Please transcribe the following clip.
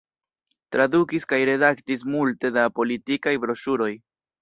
Tradukis kaj redaktis multe da politikaj broŝuroj.